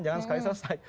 jangan sekali selesai